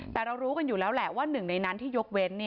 แต่เรารู้กันอยู่แล้วแหละว่าหนึ่งในนั้นที่ยกเว้น